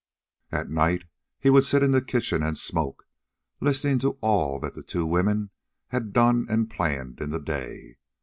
At night, he would sit in the kitchen and smoke, listening to all that the two women had done and planned in the day.